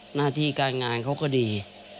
หน้าที่การงานเขาก็ดี